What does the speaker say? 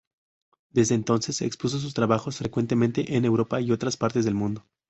Desde entonces expuso sus trabajos frecuentemente en Europa y otras partes del mundo.